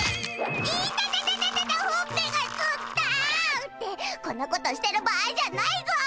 イタタタタタタほっぺがつった！ってこんなことしてる場合じゃないぞ。